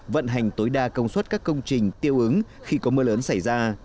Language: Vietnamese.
vận hành tối đa công suất các công trình tiêu úng khi có mưa lớn xảy ra